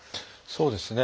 そうですね。